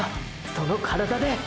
その体で！！